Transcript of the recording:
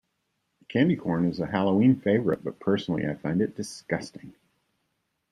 Candy corn is a Halloween favorite, but personally I find it disgusting.